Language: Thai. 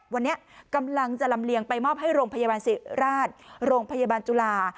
วันนี้กำลังจะลำเลียงไปมอบให้โรงพยาบาลศิริราชโรงพยาบาลจุฬา